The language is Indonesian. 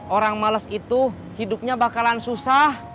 orang males itu hidupnya bakalan susah